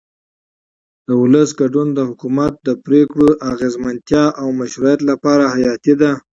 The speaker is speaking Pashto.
د ولس ګډون د حکومت د پرېکړو د اغیزمنتیا او مشروعیت لپاره حیاتي دی